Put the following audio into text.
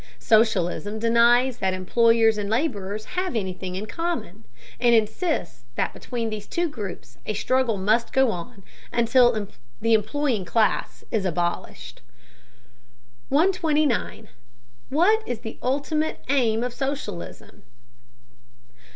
Socialism denies that employers and laborers have anything in common, and insists that between these two groups a struggle must go on until the employing class is abolished. 129. WHAT IS THE ULTIMATE AIM OF SOCIALISM?